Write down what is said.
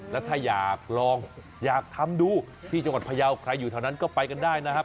แล้วถ้าอยากลองอยากทำดูที่จังหวัดพยาวใครอยู่แถวนั้นก็ไปกันได้นะครับ